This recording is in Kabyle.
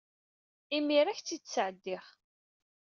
Imir-a, ad ak-tt-id-sɛeddiɣ.